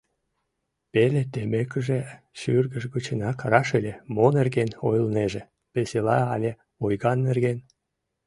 Пеле теммекыже шӱргыж гычынак раш ыле, мо нерген ойлынеже — весела але ойган нерген.